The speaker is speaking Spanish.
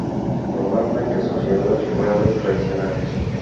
Normalmente sociedades rurales tradicionales.